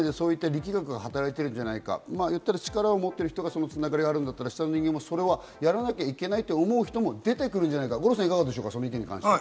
自民党内でそういう力学が働いているんじゃないか、力を持っている人が、繋がりがあるんだったら、下もそうやらなきゃいけないと思う人も出てくるんじゃないか。